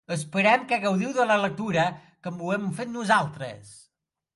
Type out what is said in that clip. Esperem que gaudiu de la lectura com ho hem fet nosaltres.